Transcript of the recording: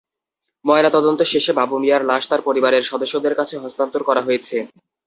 ময়নাতদন্ত শেষে বাবু মিয়ার লাশ তাঁর পরিবারের সদস্যদের কাছে হস্তান্তর করা হয়েছে।